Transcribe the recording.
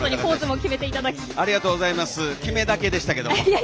決めだけでしたけども。